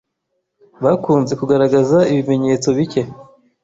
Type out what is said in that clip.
bakunze kugaragaza ibimenyetso bike